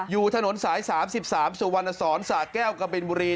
อยู่ถนนสายสามสิบสามสุวรรณสอนสระแก้วกบิลบุรี